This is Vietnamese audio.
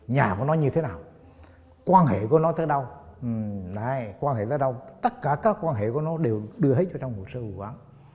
nhà nó như thế nào quan hệ của nó tới đâu tất cả các quan hệ của nó đều đưa hết vào trong hồ sơ vụ án